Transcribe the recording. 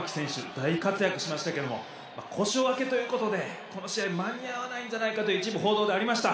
大活躍しましたけども故障明けということでこの試合間に合わないんじゃないかと一部報道でありました。